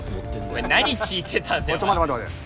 お前何聞いてたんだよ？